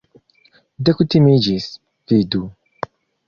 Dekutimiĝis, vidu!